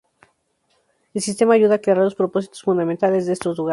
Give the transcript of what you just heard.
El Sistema ayuda a aclarar los propósitos fundamentales de estos lugares.